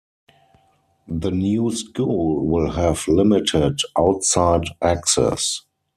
The new school will have limited outside access.